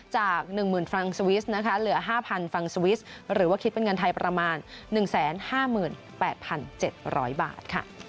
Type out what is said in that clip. จาก๑๐๐๐ฟรังสวิสนะคะเหลือ๕๐๐ฟรังสวิสหรือว่าคิดเป็นเงินไทยประมาณ๑๕๘๗๐๐บาท